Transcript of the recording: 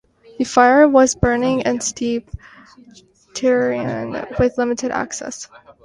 The fire was burning in steep terrain with limited access.